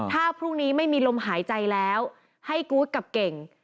ถ้าพรุ่งนี้ไม่มีลมหายใจแล้วให้กู๊ดกับเก่ง